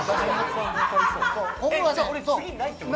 じゃ俺、次ないってこと？